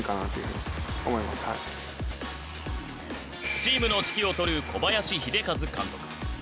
チームの指揮を執る小林秀多監督。